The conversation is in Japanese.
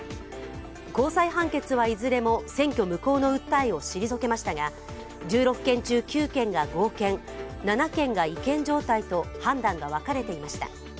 高裁判決はいずれも選挙無効の訴えを退けましたが、１６件中９件が合憲、７件が違憲状態と判断が分かれていました。